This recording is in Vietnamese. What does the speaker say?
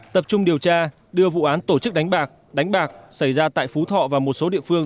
tập trung điều tra đưa vụ án tổ chức đánh bạc đánh bạc xảy ra tại phú thọ và một số địa phương